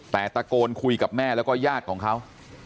แต่ตะโกนคุยกับแม่แล้วก็ญาติของเขา